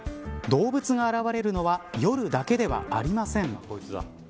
動物が現れるのは夜だけではありません。